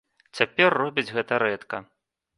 Цяпер робіць гэта рэдка.